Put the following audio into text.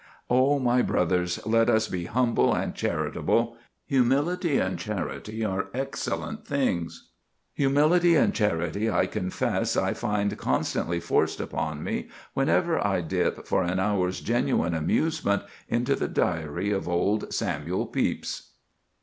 O my brothers, let us be humble and charitable! Humility and charity are excellent things; and humility and charity, I confess, I find constantly forced upon me whenever I dip, for an hour's genuine amusement, into the Diary of old Samuel Pepys.